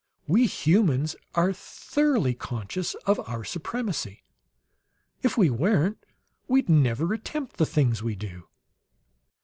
We humans are thoroughly conscious of our supremacy; if we weren't we'd never attempt the things we do!"